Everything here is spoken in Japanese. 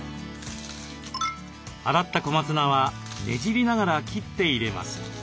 洗った小松菜はねじりながら切って入れます。